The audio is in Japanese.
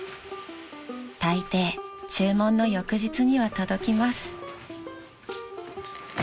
［たいてい注文の翌日には届きます］